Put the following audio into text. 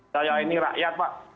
saya ini rakyat pak